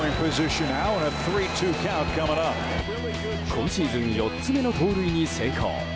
今シーズン４つ目の盗塁に成功。